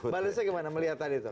balasnya gimana melihat tadi tuh